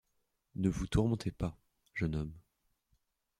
Ne vous tourmentez pas, jeune homme.